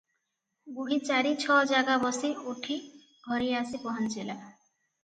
ବୁଢ଼ୀ ଚାରି ଛ ଜାଗା ବସି ଉଠି ଘରେ ଆସି ପହଞ୍ଚିଲା ।